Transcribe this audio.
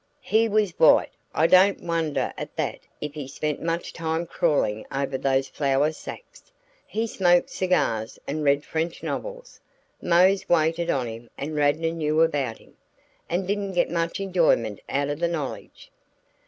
He was white I don't wonder at that if he spent much time crawling over those flour sacks. He smoked cigars and read French novels; Mose waited on him and Radnor knew about him and didn't get much enjoyment out of the knowledge.